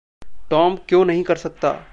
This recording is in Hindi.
टॉम क्यों नहीं कर सकता?